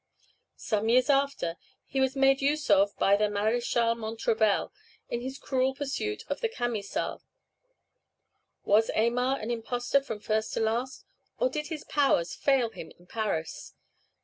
Some years after, he was made use of by the Maréchal Montrevel, in his cruel pursuit of the Camisards. Was Aymar an impostor from first to last, or did his powers fail him in Paris?